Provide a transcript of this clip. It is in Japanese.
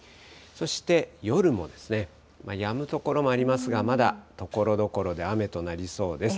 そして、夜も、やむ所もありますが、まだところどころで雨となりそうです。